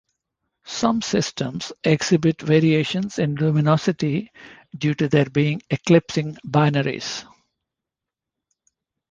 Some systems exhibit variations in luminosity due to their being eclipsing binaries.